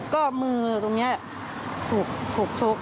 ก็มือตรงนี้ถูกชก